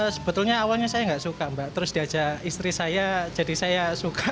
sebetulnya awalnya saya nggak suka mbak terus diajak istri saya jadi saya suka